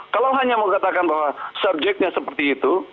kalau hanya mengatakan bahwa subjeknya seperti itu